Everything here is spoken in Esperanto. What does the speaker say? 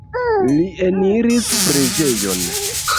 Li eniris preĝejon.